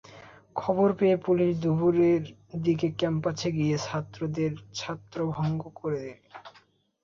খবর পেয়ে পুলিশ দুপুরের দিকে ক্যাম্পাসে গিয়ে ছাত্রদের ছত্রভঙ্গ করে দেয়।